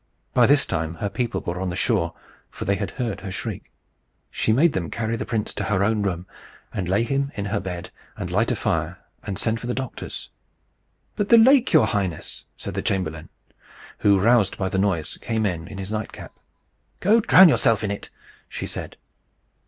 By this time her people were on the shore, for they had heard her shriek. She made them carry the prince to her own room, and lay him in her bed, and light a fire, and send for the doctors. "But the lake, your highness!" said the chamberlain, who, roused by the noise, came in, in his nightcap. "Go and drown yourself in it!" she said.